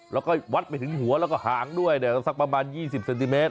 แล้วก็วัดไปถึงหัวแล้วก็หางด้วยสักประมาณ๒๐เซนติเมตร